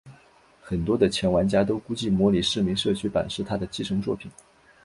很多的前玩家都估计模拟市民社区版是它的继承作品。